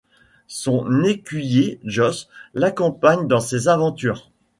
Son écuyer Jos l'accompagne dans ses aventures.